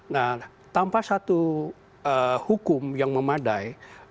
nah tanpa satu hukum yang memadai